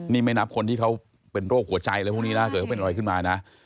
นี่ไม่นับคนที่เขาเป็นโรคหัวใจอะไรพวกนี้นะเกิดเขาเป็นอะไรขึ้นมานะ